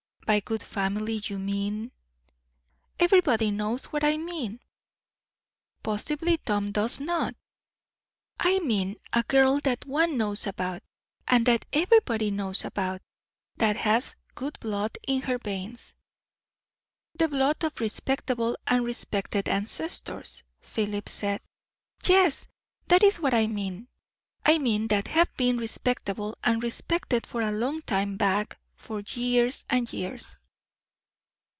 By 'good family' you mean ?" "Everybody knows what I mean." "Possibly Tom does not." "I mean, a girl that one knows about, and that everybody knows about; that has good blood in her veins." "The blood of respectable and respected ancestors," Philip said. "Yes! that is what I mean. I mean, that have been respectable and respected for a long time back for years and years."